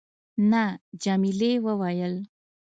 نه. جميلې وويل:.